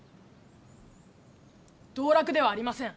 道楽ではありません。